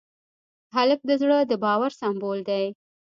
هلک د زړه د باور سمبول دی.